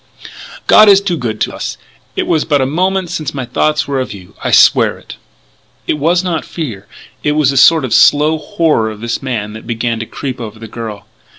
God is too good to us. And it was but a moment since my thoughts were of you! I swear it! " It was not fear; it was a sort of slow horror of this man that began to creep over the girl.